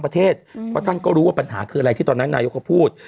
เพราะท่านก็รู้ว่าปัญหาคืออะไรที่ตอนนั้นนายกก็พูด